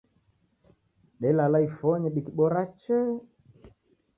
Delala ifonyi dikibora chee